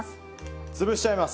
潰しちゃいます。